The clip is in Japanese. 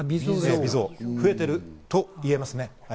増えていると言えます。